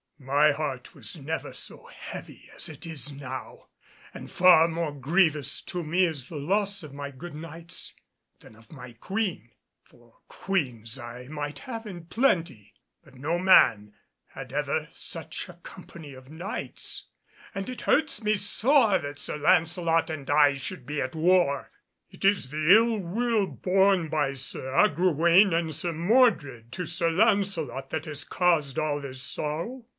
My heart was never so heavy as it is now, and far more grievous to me is the loss of my good Knights, than of my Queen; for Queens I might have in plenty, but no man had ever such a company of Knights, and it hurts me sore that Sir Lancelot and I should be at war. It is the ill will borne by Sir Agrawaine and Sir Mordred to Sir Lancelot that has caused all this sorrow."